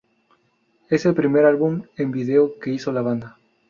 Es el primer álbum en video que hizo la banda.